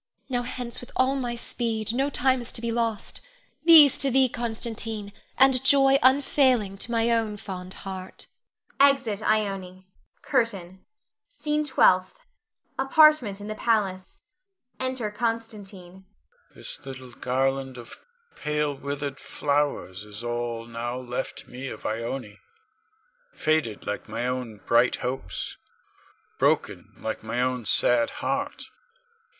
Now hence with all my speed, no time is to be lost! These to thee, Constantine, and joy unfailing to my own fond heart. [Exit Ione. CURTAIN. SCENE TWELFTH. [Apartment in the palace. Enter Constantine.] Con. This little garland of pale, withered flowers is all now left me of Ione, faded like my own bright hopes, broken like my own sad heart.